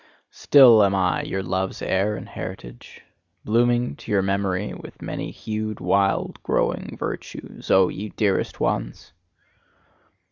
Still am I your love's heir and heritage, blooming to your memory with many hued, wild growing virtues, O ye dearest ones!